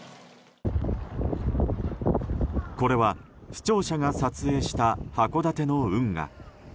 これは視聴者が撮影した函館の運河。